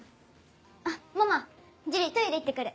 あっママ樹里トイレ行って来る。